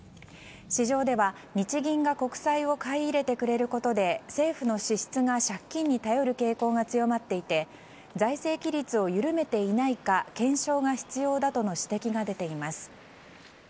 市場では日銀が国債を買い入れてくれることで政府の支出が借金に頼る傾向が強まっていて財政規律を緩めていないか検証が必要だとの指摘が出ています。